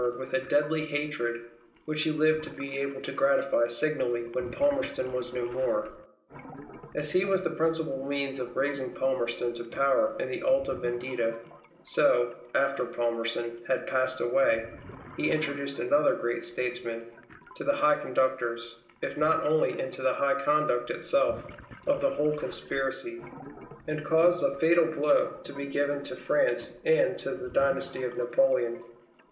with a deadly hatred, which he lived to be able to gratify signally w^hen Palmerston was no more. As he was 106 WAR OF ANTICHRIST WITH THE CHURCH. the principal means of raising Palmerston to power in the Alta Venclita^ so, after Palmerston had passed away, he intro duced another great statesman to the high conductors, if not into the high conduct itself, of the whole conspiracy ; and caused a fatal blow to be given to France and to the dynasty of Napoleon.